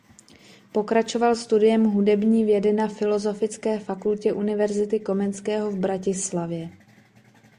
Pokračoval studiem hudební vědy na Filozofické fakultě Univerzity Komenského v Bratislavě.